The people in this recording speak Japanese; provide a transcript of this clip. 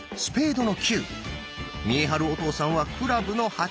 見栄晴お父さんは「クラブの８」。